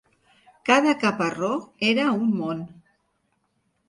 Cada caparró era un món.